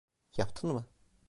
Yaptın mı?